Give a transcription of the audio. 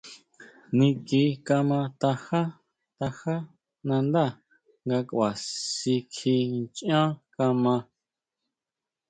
Niki kama tajá, tajá nandá nga kʼua si kjí nachan kama.